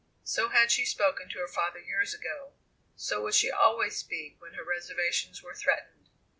So had she spoken to her father years ago; so would she always speak when her reservations were threatened.